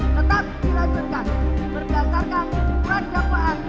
tetap dilanjutkan berdasarkan surat dakwaan